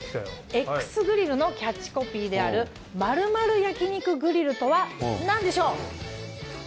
ＸＧＲＩＬＬのキャッチコピーである「○○焼肉グリル」とは何でしょう？